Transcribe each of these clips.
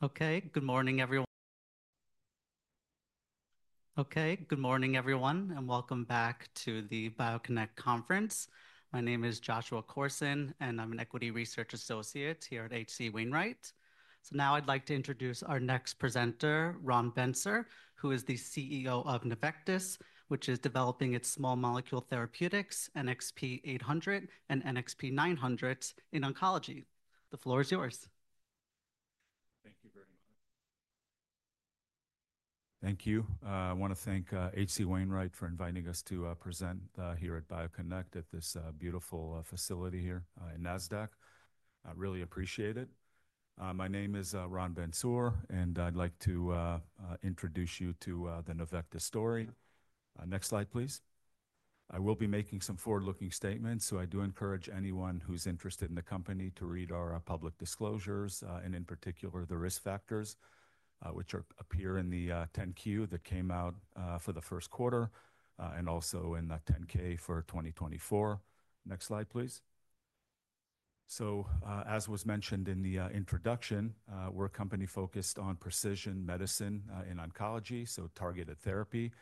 Okay, good morning, everyone, and welcome back to the BioConnect Conference. My name is Joshua Corson, and I'm an equity research associate here at H.C. Wainwright. Now I'd like to introduce our next presenter, Ron Bentsur, who is the CEO of Nuvectis, which is developing its small molecule therapeutics, NXP 800 and NXP 900 in oncology. The floor is yours. Thank you very much. Thank you. I want to thank H.C. Wainwright for inviting us to present here at BioConnect at this beautiful facility here in Nasdaq. I really appreciate it. My name is Ron Bentsur, and I'd like to introduce you to the Nuvectis story. Next slide, please. I will be making some forward-looking statements, so I do encourage anyone who's interested in the company to read our public disclosures, and in particular, the risk factors which appear in the 10-Q that came out for the first quarter, and also in the 10-K for 2024. Next slide, please. As was mentioned in the introduction, we're a company focused on precision medicine in oncology, so targeted therapy.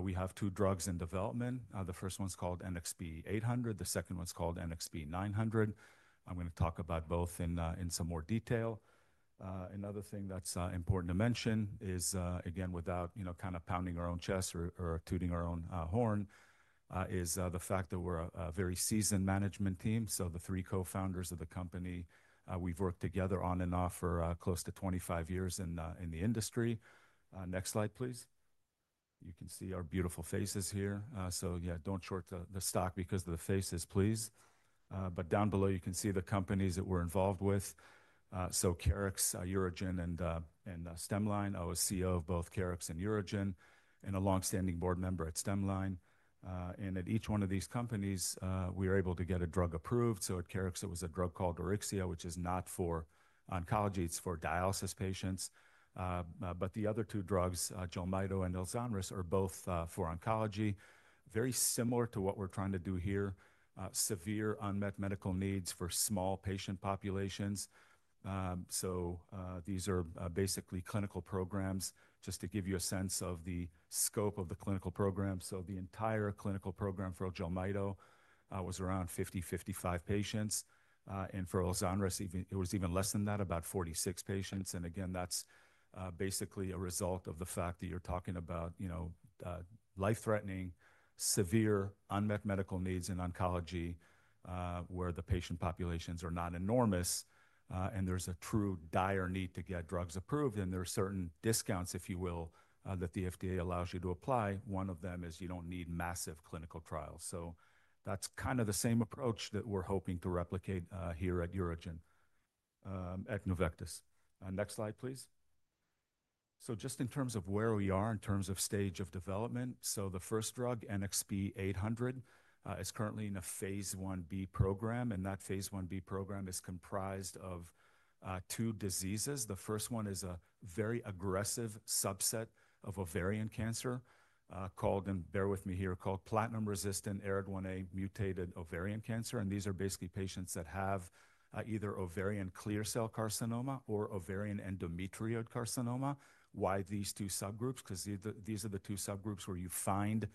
We have two drugs in development. The first one's called NXP 800. The second one's called NXP 900. I'm going to talk about both in some more detail. Another thing that's important to mention is, again, without, you know, kind of pounding our own chest or tooting our own horn, is the fact that we're a very seasoned management team. The three co-founders of the company, we've worked together on and off for close to 25 years in the industry. Next slide, please. You can see our beautiful faces here. Yeah, don't short the stock because of the faces, please. Down below, you can see the companies that we're involved with. Curex, Urogen, and Stemline. I was CEO of both Curex and Urogen and a longstanding board member at Stemline. At each one of these companies, we were able to get a drug approved. At Curex, it was a drug called Orixia, which is not for oncology, it's for dialysis patients. The other two drugs, Jelmyto and Elzonris, are both for oncology. Very similar to what we're trying to do here, severe unmet medical needs for small patient populations. These are basically clinical programs, just to give you a sense of the scope of the clinical program. The entire clinical program for Jelmyto was around 50-55 patients. For Elzonris, it was even less than that, about 46 patients. Again, that's basically a result of the fact that you're talking about, you know, life-threatening, severe unmet medical needs in oncology where the patient populations are not enormous, and there's a true dire need to get drugs approved. There are certain discounts, if you will, that the FDA allows you to apply. One of them is you don't need massive clinical trials. That's kind of the same approach that we're hoping to replicate here at Urogen at Nuvectis. Next slide, please. Just in terms of where we are in terms of stage of development, the first drug, NXP 800, is currently in a phase 1B program. That phase 1B program is comprised of two diseases. The first one is a very aggressive subset of ovarian cancer called, and bear with me here, called platinum-resistant ARID1A mutated ovarian cancer. These are basically patients that have either ovarian clear cell carcinoma or ovarian endometrioid carcinoma. Why these two subgroups? Because these are the two subgroups where you find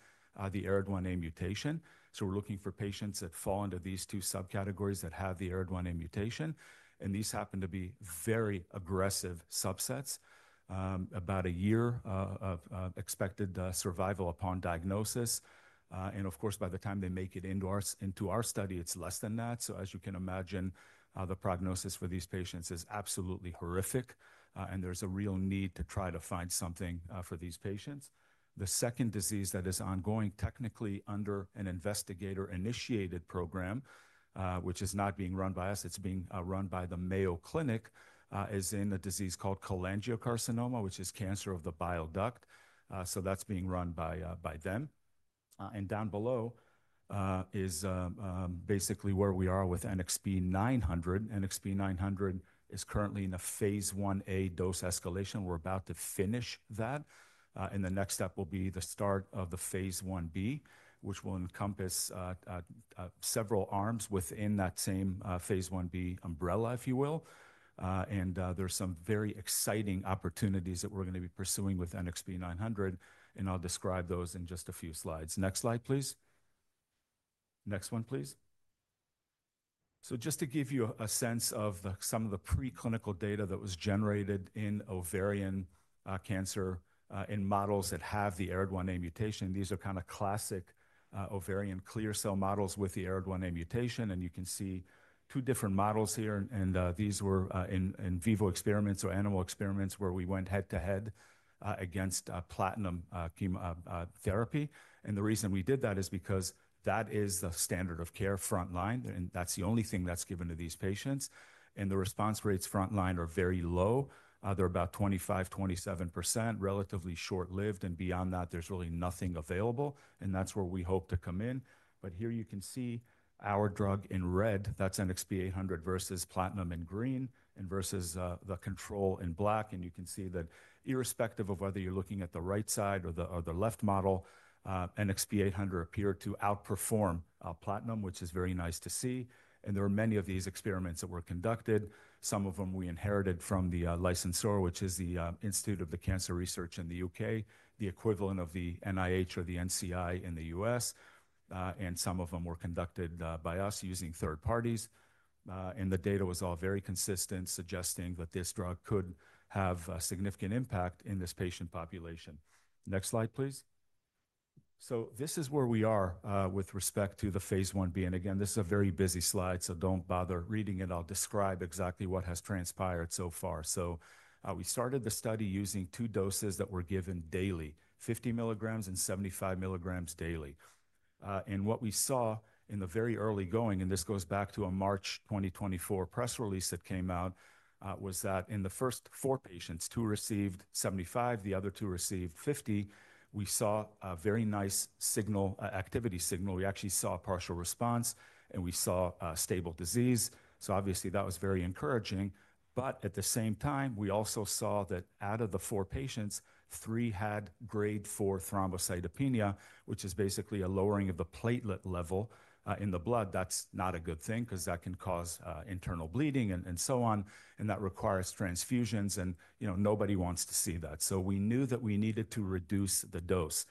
the ARID1A mutation. We're looking for patients that fall under these two subcategories that have the ARID1A mutation. These happen to be very aggressive subsets. About a year of expected survival upon diagnosis. Of course, by the time they make it into our study, it's less than that. As you can imagine, the prognosis for these patients is absolutely horrific. There's a real need to try to find something for these patients. The second disease that is ongoing, technically under an investigator-initiated program, which is not being run by us, it's being run by the Mayo Clinic, is in a disease called cholangiocarcinoma, which is cancer of the bile duct. That's being run by them. Down below is basically where we are with NXP 900. NXP 900 is currently in a phase 1A dose escalation. We're about to finish that. The next step will be the start of the phase 1B, which will encompass several arms within that same phase 1B umbrella, if you will. There are some very exciting opportunities that we're going to be pursuing with NXP 900. I'll describe those in just a few slides. Next slide, please. Next one, please. Just to give you a sense of some of the preclinical data that was generated in ovarian cancer in models that have the ARID1A mutation. These are kind of classic ovarian clear cell models with the ARID1A mutation. You can see two different models here. These were in vivo experiments or animal experiments where we went head-to-head against platinum therapy. The reason we did that is because that is the standard of care frontline. That is the only thing that's given to these patients. The response rates frontline are very low. They're about 25-27%, relatively short-lived. Beyond that, there's really nothing available. That is where we hope to come in. Here you can see our drug in red, that's NXP 800 versus platinum in green and versus the control in black. You can see that irrespective of whether you're looking at the right side or the left model, NXP 800 appeared to outperform platinum, which is very nice to see. There are many of these experiments that were conducted. Some of them we inherited from the licensor, which is the Institute of Cancer Research in the U.K., the equivalent of the NIH or the NCI in the U.S. Some of them were conducted by us using third parties. The data was all very consistent, suggesting that this drug could have a significant impact in this patient population. Next slide, please. This is where we are with respect to the phase 1B. Again, this is a very busy slide, so don't bother reading it. I'll describe exactly what has transpired so far. We started the study using two doses that were given daily, 50 milligrams and 75 milligrams daily. What we saw in the very early going, and this goes back to a March 2024 press release that came out, was that in the first four patients, two received 75, the other two received 50, we saw a very nice signal, activity signal. We actually saw a partial response, and we saw stable disease. Obviously, that was very encouraging. At the same time, we also saw that out of the four patients, three had grade 4 thrombocytopenia, which is basically a lowering of the platelet level in the blood. That's not a good thing because that can cause internal bleeding and so on. That requires transfusions. You know, nobody wants to see that. We knew that we needed to reduce the dose.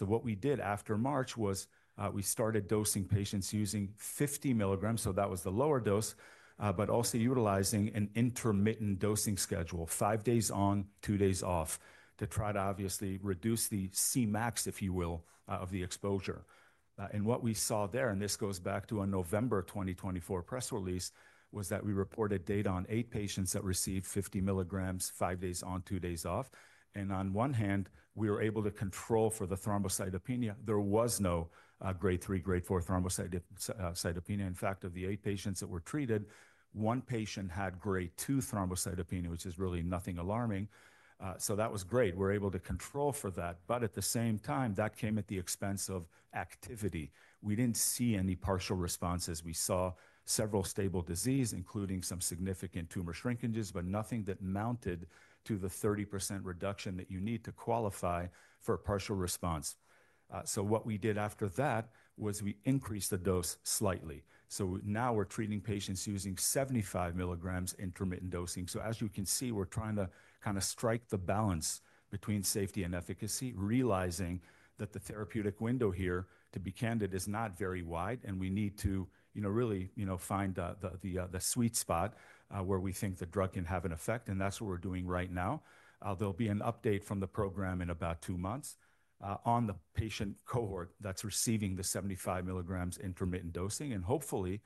What we did after March was we started dosing patients using 50 milligrams. That was the lower dose, but also utilizing an intermittent dosing schedule, five days on, two days off, to try to obviously reduce the Cmax, if you will, of the exposure. What we saw there, and this goes back to a November 2024 press release, was that we reported data on eight patients that received 50 milligrams, five days on, two days off. On one hand, we were able to control for the thrombocytopenia. There was no grade 3, grade 4 thrombocytopenia. In fact, of the eight patients that were treated, one patient had grade 2 thrombocytopenia, which is really nothing alarming. That was great. We were able to control for that. At the same time, that came at the expense of activity. We did not see any partial responses. We saw several stable diseases, including some significant tumor shrinkages, but nothing that mounted to the 30% reduction that you need to qualify for a partial response. What we did after that was we increased the dose slightly. Now we are treating patients using 75 milligrams intermittent dosing. As you can see, we are trying to kind of strike the balance between safety and efficacy, realizing that the therapeutic window here, to be candid, is not very wide. We need to, you know, really, you know, find the sweet spot where we think the drug can have an effect. That is what we are doing right now. There will be an update from the program in about two months on the patient cohort that is receiving the 75 milligrams intermittent dosing. Hopefully,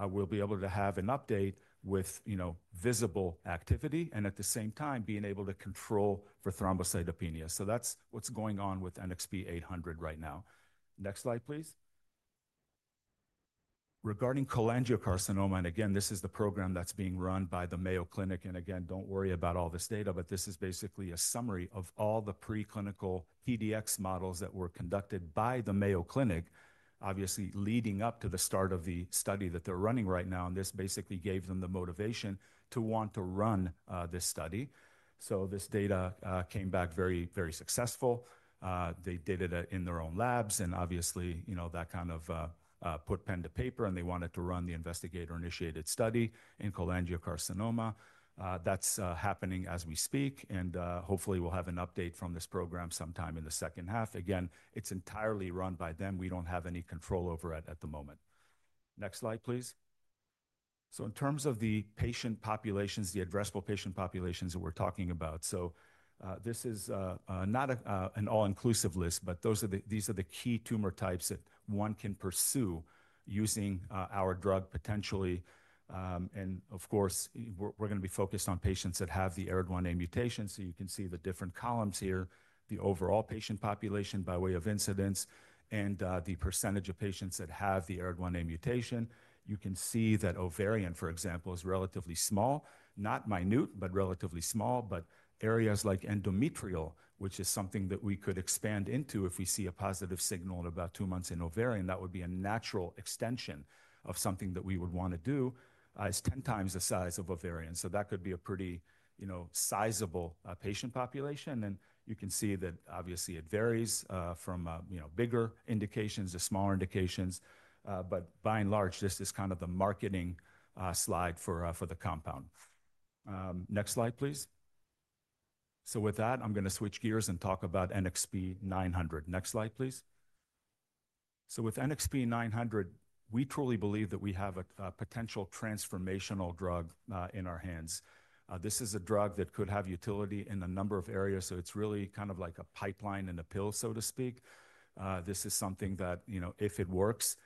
we'll be able to have an update with, you know, visible activity and at the same time being able to control for thrombocytopenia. That's what's going on with NXP 800 right now. Next slide, please. Regarding cholangiocarcinoma, this is the program that's being run by the Mayo Clinic. Don't worry about all this data, but this is basically a summary of all the preclinical PDX models that were conducted by the Mayo Clinic, obviously leading up to the start of the study that they're running right now. This basically gave them the motivation to want to run this study. This data came back very, very successful. They did it in their own labs. Obviously, you know, that kind of put pen to paper. They wanted to run the investigator-initiated study in cholangiocarcinoma. That's happening as we speak. Hopefully, we'll have an update from this program sometime in the second half. Again, it's entirely run by them. We don't have any control over it at the moment. Next slide, please. In terms of the patient populations, the addressable patient populations that we're talking about, this is not an all-inclusive list, but these are the key tumor types that one can pursue using our drug potentially. Of course, we're going to be focused on patients that have the ARID1A mutation. You can see the different columns here, the overall patient population by way of incidence, and the percentage of patients that have the ARID1A mutation. You can see that ovarian, for example, is relatively small, not minute, but relatively small, but areas like endometrial, which is something that we could expand into if we see a positive signal in about two months in ovarian, that would be a natural extension of something that we would want to do, is 10 times the size of ovarian. That could be a pretty, you know, sizable patient population. You can see that obviously it varies from, you know, bigger indications to smaller indications. By and large, this is kind of the marketing slide for the compound. Next slide, please. With that, I'm going to switch gears and talk about NXP 900. Next slide, please. With NXP 900, we truly believe that we have a potential transformational drug in our hands. This is a drug that could have utility in a number of areas. It's really kind of like a pipeline in a pill, so to speak. This is something that, you know, if it works,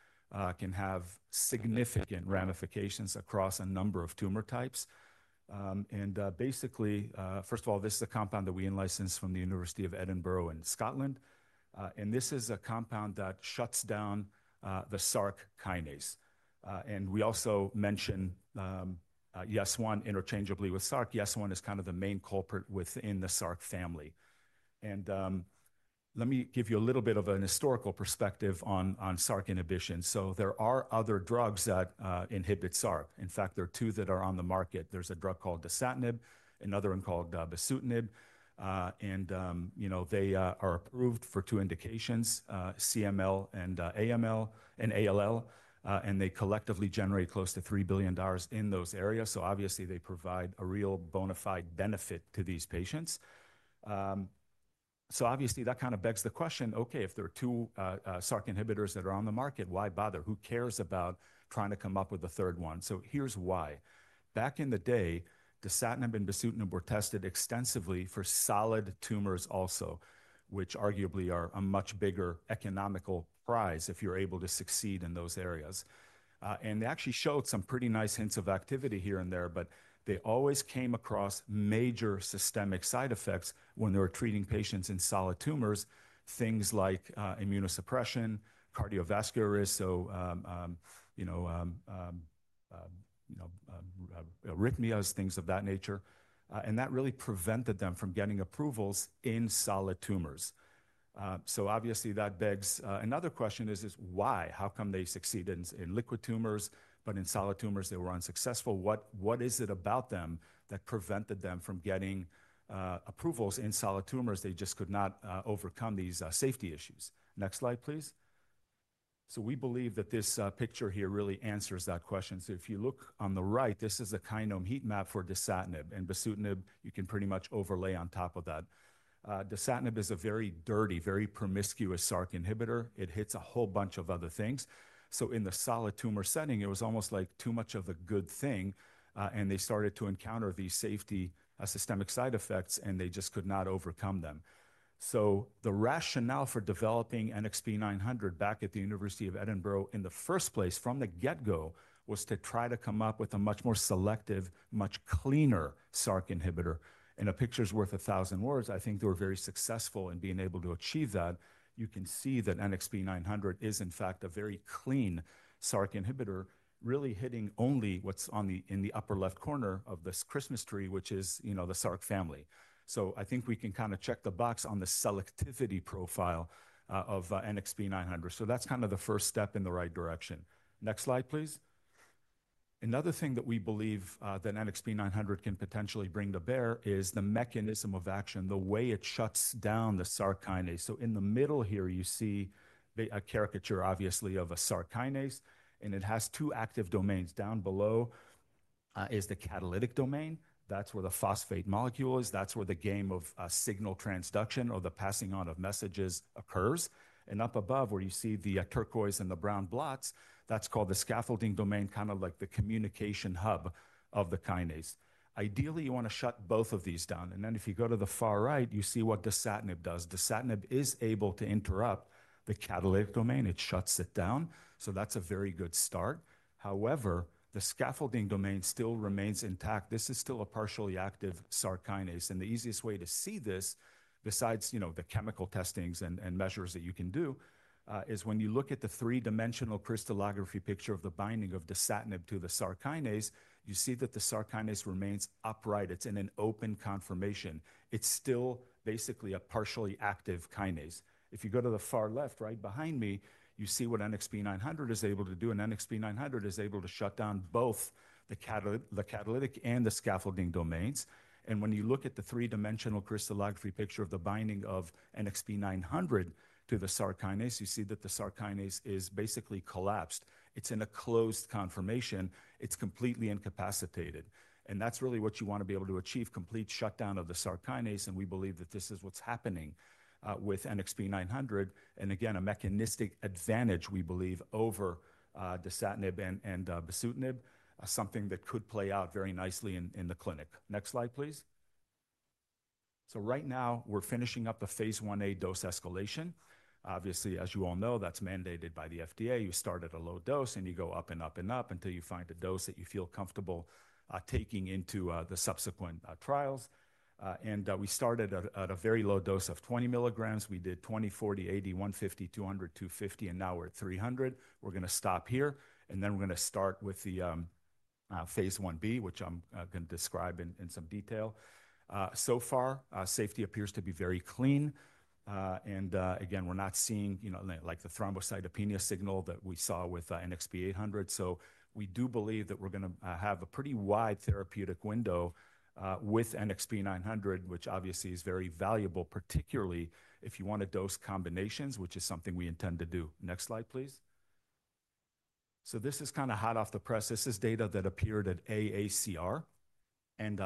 can have significant ramifications across a number of tumor types. Basically, first of all, this is a compound that we licensed from the University of Edinburgh in Scotland. This is a compound that shuts down the SRC kinase. We also mention YES1 interchangeably with SRC. YES1 is kind of the main culprit within the SRC family. Let me give you a little bit of a historical perspective on SRC inhibition. There are other drugs that inhibit SRC. In fact, there are two that are on the market. There's a drug called Dasatinib, another one called Bosutinib. They are approved for two indications, CML and AML and ALL. They collectively generate close to $3 billion in those areas. Obviously, they provide a real bona fide benefit to these patients. Obviously, that kind of begs the question, okay, if there are two SRC inhibitors that are on the market, why bother? Who cares about trying to come up with a third one? Here's why. Back in the day, Dasatinib and Bosutinib were tested extensively for solid tumors also, which arguably are a much bigger economical prize if you're able to succeed in those areas. They actually showed some pretty nice hints of activity here and there, but they always came across major systemic side effects when they were treating patients in solid tumors, things like immunosuppression, cardiovascular risk, you know, arrhythmias, things of that nature. That really prevented them from getting approvals in solid tumors. Obviously, that begs another question, why? How come they succeed in liquid tumors, but in solid tumors, they were unsuccessful? What is it about them that prevented them from getting approvals in solid tumors? They just could not overcome these safety issues. Next slide, please. We believe that this picture here really answers that question. If you look on the right, this is a kind of heat map for Dasatinib. And Bosutinib, you can pretty much overlay on top of that. Dasatinib is a very dirty, very promiscuous SRC inhibitor. It hits a whole bunch of other things. In the solid tumor setting, it was almost like too much of a good thing. They started to encounter these safety systemic side effects, and they just could not overcome them. The rationale for developing NXP 900 back at the University of Edinburgh in the first place from the get-go was to try to come up with a much more selective, much cleaner SRC inhibitor. A picture's worth a thousand words. I think they were very successful in being able to achieve that. You can see that NXP 900 is, in fact, a very clean SRC inhibitor, really hitting only what's in the upper left corner of this Christmas tree, which is, you know, the SRC family. I think we can kind of check the box on the selectivity profile of NXP 900. That's kind of the first step in the right direction. Next slide, please. Another thing that we believe that NXP 900 can potentially bring to bear is the mechanism of action, the way it shuts down the SRC kinase. In the middle here, you see a caricature, obviously, of a SRC kinase. It has two active domains. Down below is the catalytic domain. That is where the phosphate molecule is. That is where the game of signal transduction or the passing on of messages occurs. Up above, where you see the turquoise and the brown blots, that is called the scaffolding domain, kind of like the communication hub of the kinase. Ideally, you want to shut both of these down. If you go to the far right, you see what Dasatinib does. Dasatinib is able to interrupt the catalytic domain. It shuts it down. That is a very good start. However, the scaffolding domain still remains intact. This is still a partially active SRC kinase. The easiest way to see this, besides, you know, the chemical testings and measures that you can do, is when you look at the three-dimensional crystallography picture of the binding of Dasatinib to the SRC kinase, you see that the SRC kinase remains upright. It's in an open conformation. It's still basically a partially active kinase. If you go to the far left, right behind me, you see what NXP 900 is able to do. NXP 900 is able to shut down both the catalytic and the scaffolding domains. When you look at the three-dimensional crystallography picture of the binding of NXP 900 to the SRC kinase, you see that the SRC kinase is basically collapsed. It's in a closed conformation. It's completely incapacitated. That's really what you want to be able to achieve, complete shutdown of the SRC kinase. We believe that this is what's happening with NXP 900. Again, a mechanistic advantage, we believe, over Dasatinib and Bosutinib, something that could play out very nicely in the clinic. Next slide, please. Right now, we're finishing up the phase 1A dose escalation. Obviously, as you all know, that's mandated by the FDA. You start at a low dose, and you go up and up and up until you find a dose that you feel comfortable taking into the subsequent trials. We started at a very low dose of 20 milligrams. We did 20, 40, 80, 150, 200, 250, and now we're at 300. We're going to stop here. Then we're going to start with the phase 1B, which I'm going to describe in some detail. So far, safety appears to be very clean. Again, we're not seeing, you know, like the thrombocytopenia signal that we saw with NXP 800. We do believe that we're going to have a pretty wide therapeutic window with NXP 900, which obviously is very valuable, particularly if you want to dose combinations, which is something we intend to do. Next slide, please. This is kind of hot off the press. This is data that appeared at AACR.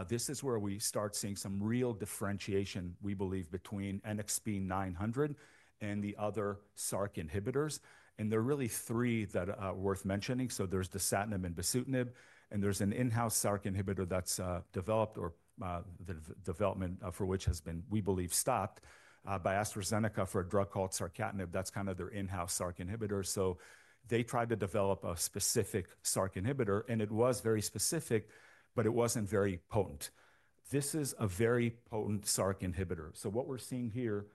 This is where we start seeing some real differentiation, we believe, between NXP 900 and the other SRC inhibitors. There are really three that are worth mentioning. There's Dasatinib and Bosutinib. There's an in-house SRC inhibitor that's developed, or the development for which has been, we believe, stopped by AstraZeneca for a drug called sarcatenib. That's kind of their in-house SRC inhibitor. They tried to develop a specific SRC inhibitor. It was very specific, but it wasn't very potent. This is a very potent SRC inhibitor. What we're seeing here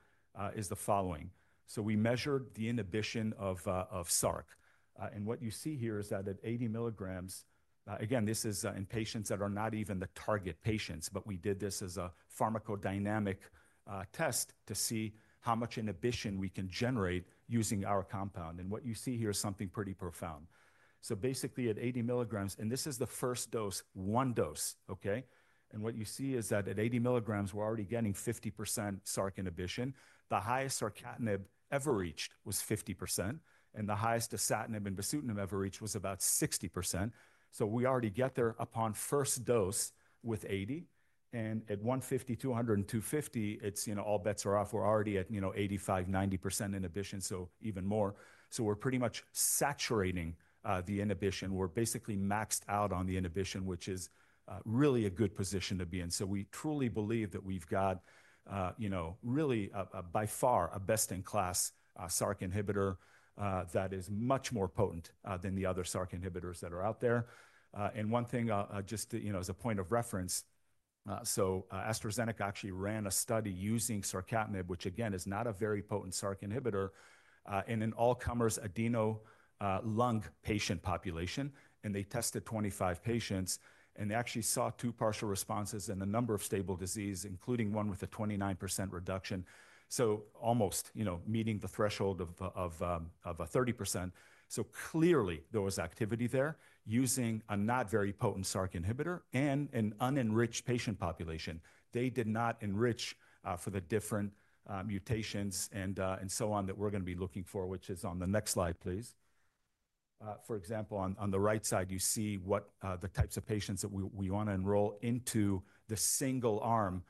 is the following. We measured the inhibition of SRC. What you see here is that at 80 milligrams, again, this is in patients that are not even the target patients, but we did this as a pharmacodynamic test to see how much inhibition we can generate using our compound. What you see here is something pretty profound. Basically at 80 milligrams, and this is the first dose, one dose, okay? What you see is that at 80 milligrams, we're already getting 50% SRC inhibition. The highest sarcatenib ever reached was 50%. The highest Dasatinib and Bosutinib ever reached was about 60%. We already get there upon first dose with 80. At 150, 200, and 250, it's, you know, all bets are off. We're already at, you know, 85-90% inhibition, so even more. We're pretty much saturating the inhibition. We're basically maxed out on the inhibition, which is really a good position to be in. We truly believe that we've got, you know, really by far a best-in-class SRC inhibitor that is much more potent than the other SRC inhibitors that are out there. One thing, just, you know, as a point of reference, AstraZeneca actually ran a study using sarcatenib, which again is not a very potent SRC inhibitor, in an all-comers adeno lung patient population. They tested 25 patients. They actually saw two partial responses and a number of stable diseases, including one with a 29% reduction. Almost, you know, meeting the threshold of 30%. Clearly, there was activity there using a not very potent SRC inhibitor and an unenriched patient population. They did not enrich for the different mutations and so on that we're going to be looking for, which is on the next slide, please. For example, on the right side, you see what the types of patients that we want to enroll into the single-arm,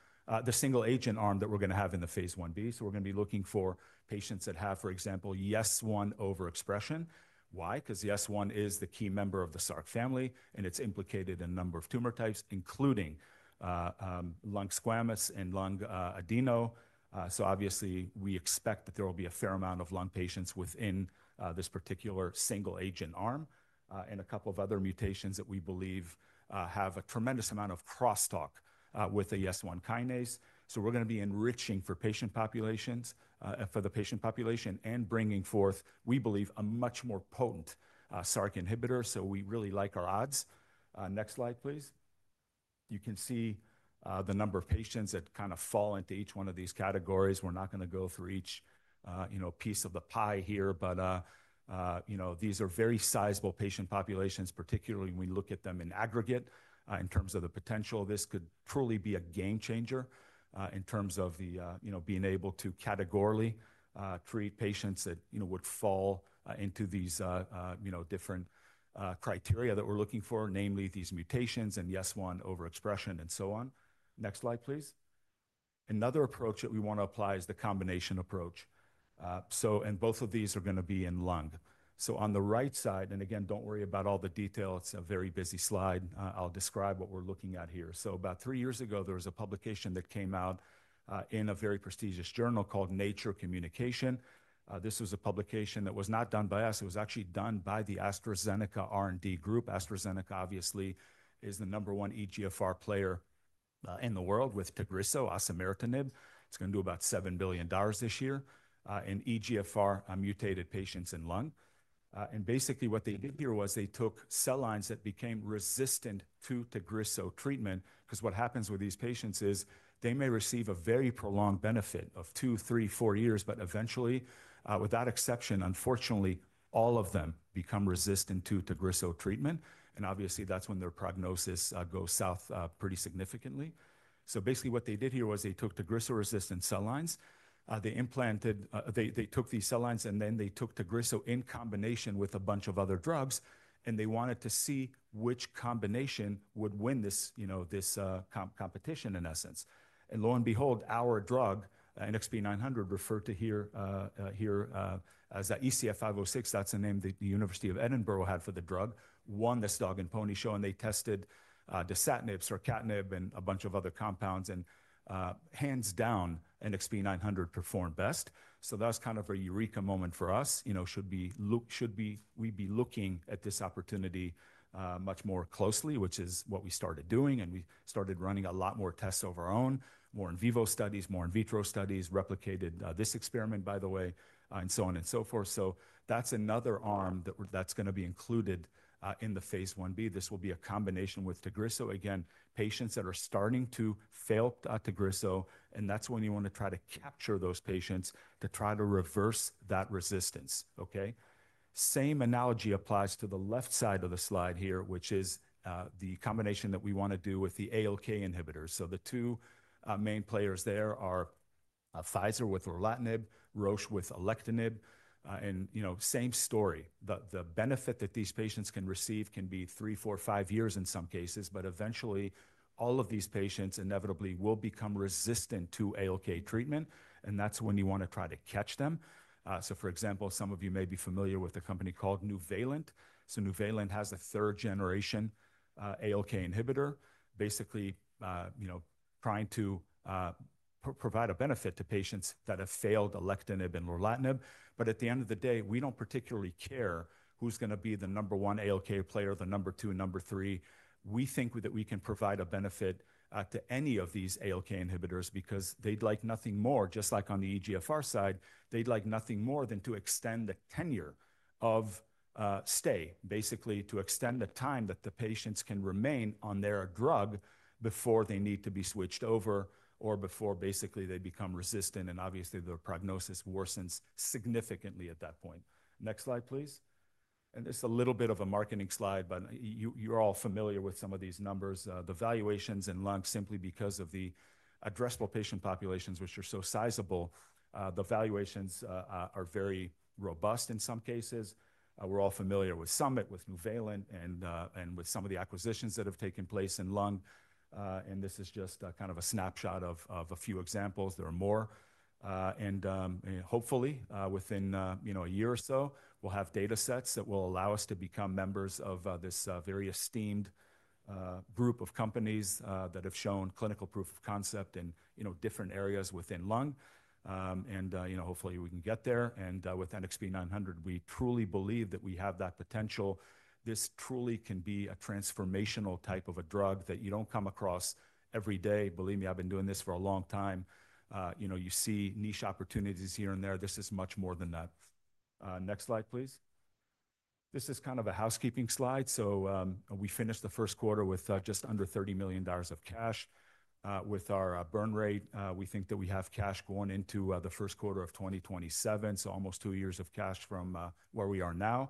the single-agent arm that we're going to have in the phase 1B. We're going to be looking for patients that have, for example, YES1 overexpression. Why? Because YES1 is the key member of the SRC family, and it's implicated in a number of tumor types, including lung squamous and lung adeno. Obviously, we expect that there will be a fair amount of lung patients within this particular single agent arm and a couple of other mutations that we believe have a tremendous amount of crosstalk with the YES1 kinase. We're going to be enriching for patient populations for the patient population and bringing forth, we believe, a much more potent SRC inhibitor. We really like our odds. Next slide, please. You can see the number of patients that kind of fall into each one of these categories. We're not going to go through each, you know, piece of the pie here, but, you know, these are very sizable patient populations, particularly when we look at them in aggregate in terms of the potential. This could truly be a game changer in terms of the, you know, being able to categorically treat patients that, you know, would fall into these, you know, different criteria that we're looking for, namely these mutations and YES1 overexpression and so on. Next slide, please. Another approach that we want to apply is the combination approach. Both of these are going to be in lung. On the right side, and again, do not worry about all the detail. It's a very busy slide. I'll describe what we're looking at here. About three years ago, there was a publication that came out in a very prestigious journal called Nature Communications. This was a publication that was not done by us. It was actually done by the AstraZeneca R&D group. AstraZeneca, obviously, is the number one EGFR player in the world with Tagrisso, Osimertinib. It's going to do about $7 billion this year in EGFR mutated patients in lung. Basically what they did here was they took cell lines that became resistant to Tagrisso treatment because what happens with these patients is they may receive a very prolonged benefit of two, three, four years, but eventually, without exception, unfortunately, all of them become resistant to Tagrisso treatment. Obviously, that's when their prognosis goes south pretty significantly. Basically what they did here was they took Tagrisso resistant cell lines. They implanted, they took these cell lines and then they took Tagrisso in combination with a bunch of other drugs. They wanted to see which combination would win this, you know, this competition in essence. Lo and behold, our drug, NXP 900, referred to here as ECF 506. That's the name the University of Edinburgh had for the drug. Won this dog and pony show, and they tested Dasatinib, sarcatenib, and a bunch of other compounds. Hands down, NXP 900 performed best. That was kind of a eureka moment for us, you know, should we be looking, should we be looking at this opportunity much more closely, which is what we started doing. We started running a lot more tests of our own, more in vivo studies, more in vitro studies, replicated this experiment, by the way, and so on and so forth. That is another arm that is going to be included in the phase 1B. This will be a combination with Tagrisso, again, patients that are starting to fail Tagrisso. That is when you want to try to capture those patients to try to reverse that resistance, okay? Same analogy applies to the left side of the slide here, which is the combination that we want to do with the ALK inhibitors. The two main players there are Pfizer with Lorlatinib, Roche with Alectinib. And, you know, same story. The benefit that these patients can receive can be three, four, five years in some cases, but eventually all of these patients inevitably will become resistant to ALK treatment. That is when you want to try to catch them. For example, some of you may be familiar with a company called Nuvalent. Nuvalent has a third-generation ALK inhibitor, basically, you know, trying to provide a benefit to patients that have failed Alectinib and Lorlatinib. At the end of the day, we do not particularly care who is going to be the number one ALK player, the number two, number three. We think that we can provide a benefit to any of these ALK inhibitors because they'd like nothing more, just like on the EGFR side, they'd like nothing more than to extend the tenure of stay, basically to extend the time that the patients can remain on their drug before they need to be switched over or before basically they become resistant. Obviously, their prognosis worsens significantly at that point. Next slide, please. This is a little bit of a marketing slide, but you're all familiar with some of these numbers. The valuations in lung, simply because of the addressable patient populations, which are so sizable, the valuations are very robust in some cases. We're all familiar with Summit, with Nuvalent, and with some of the acquisitions that have taken place in lung. This is just kind of a snapshot of a few examples. There are more. Hopefully, within, you know, a year or so, we'll have data sets that will allow us to become members of this very esteemed group of companies that have shown clinical proof of concept in, you know, different areas within lung. You know, hopefully we can get there. With NXP 900, we truly believe that we have that potential. This truly can be a transformational type of a drug that you don't come across every day. Believe me, I've been doing this for a long time. You know, you see niche opportunities here and there. This is much more than that. Next slide, please. This is kind of a housekeeping slide. We finished the first quarter with just under $30 million of cash. With our burn rate, we think that we have cash going into the first quarter of 2027. Almost two years of cash from where we are now.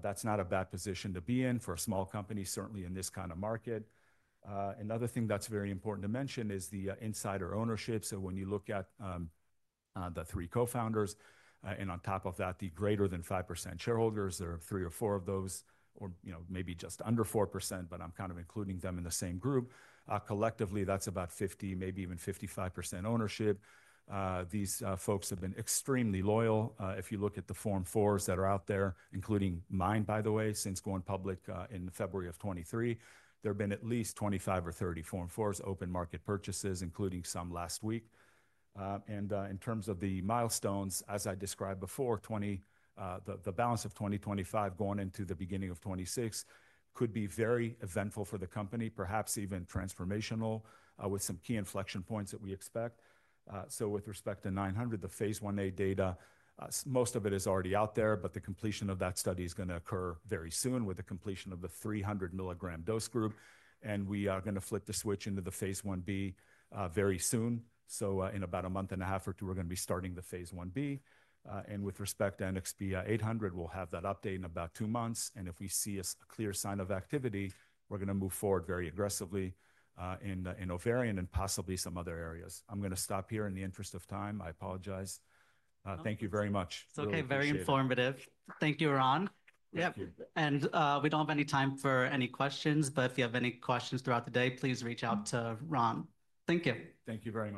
That's not a bad position to be in for a small company, certainly in this kind of market. Another thing that's very important to mention is the insider ownership. When you look at the three co-founders and on top of that, the greater than 5% shareholders, there are three or four of those, or, you know, maybe just under 4%, but I'm kind of including them in the same group. Collectively, that's about 50%, maybe even 55% ownership. These folks have been extremely loyal. If you look at the form fours that are out there, including mine, by the way, since going public in February of 2023, there have been at least 25 or 30 form fours open market purchases, including some last week. In terms of the milestones, as I described before, the balance of 2025 going into the beginning of 2026 could be very eventful for the company, perhaps even transformational with some key inflection points that we expect. With respect to 900, the phase 1A data, most of it is already out there, but the completion of that study is going to occur very soon with the completion of the 300 mg dose group. We are going to flip the switch into the phase 1B very soon. In about a month and a half or two, we're going to be starting the phase 1B. With respect to NXP 800, we'll have that update in about two months. If we see a clear sign of activity, we're going to move forward very aggressively in ovarian and possibly some other areas. I'm going to stop here in the interest of time. I apologize. Thank you very much. Thank you. Okay, very informative. Thank you, Ron. Yep. We do not have any time for any questions, but if you have any questions throughout the day, please reach out to Ron. Thank you. Thank you very much.